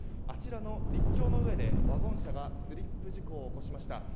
あちらの陸橋の上でワゴン車がスリップ事故を起こしました。